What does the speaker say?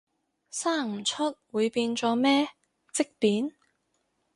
生唔出會變咗咩，積便？